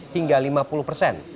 hingga lima puluh persen